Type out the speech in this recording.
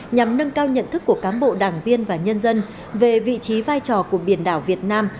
nhằm nâng cao nhận thức của cám bộ đảng viên và nhân dân về vị trí vai trò của biển đảo việt nam